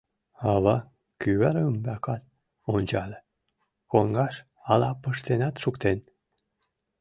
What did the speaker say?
Ава кӱвар ӱмбакат ончале, коҥгаш — ала пыштенат шуктен?